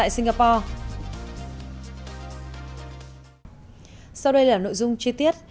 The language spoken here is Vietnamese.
sau đây là nội dung chi tiết